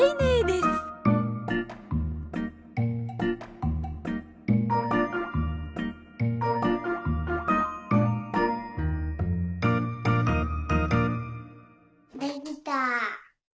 できた！